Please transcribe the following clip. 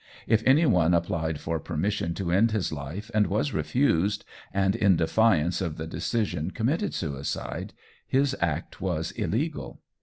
If any one applied for permission to end his life and was refused, and in defiance of the decision committed suicide, his act was illegal.